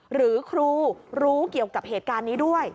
หรือครูรู้เกี่ยวกับเหตุการณ์นี้ด้วย